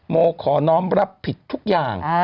โมขอน้องรับผิดทุกอย่าง